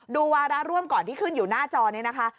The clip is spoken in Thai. วาระร่วมก่อนที่ขึ้นอยู่หน้าจอนี้นะคะ